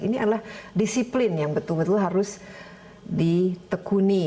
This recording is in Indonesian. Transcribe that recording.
ini adalah disiplin yang betul betul harus ditekuni